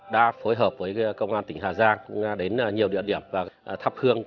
đã phối hợp với công an tỉnh hà giang cũng đến nhiều địa điểm và thắp hương